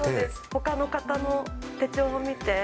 ほかの方の手帳を見て。